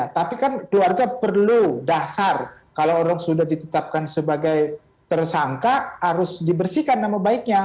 tapi kan keluarga perlu dasar kalau orang sudah ditetapkan sebagai tersangka harus dibersihkan nama baiknya